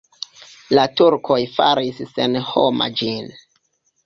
La turkoj faris senhoma ĝin.